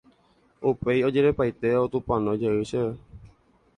upéi ojerepaite otupãnói jey chéve.